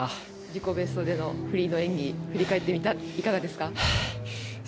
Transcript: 自己ベストでのフリーの演技振り返ってみて、いかがですか。